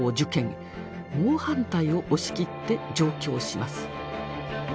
猛反対を押し切って上京します。